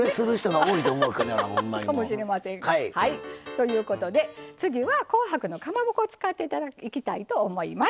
ということで次は紅白のかまぼこ使っていきたいと思います。